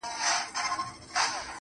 خيال مې ګناه ګڼي ثواب چې روښان کړے مې دی